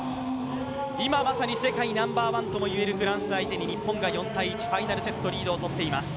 今まさに、世界ナンバーワンともいえるフランスを相手に日本が４−１、ファイナルセット、リードをとっています。